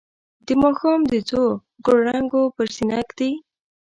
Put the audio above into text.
د ماښام د څو ګلرنګو پر سینه ږدي